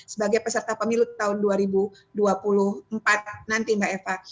sebagai peserta pemilu tahun dua ribu dua puluh empat nanti mbak eva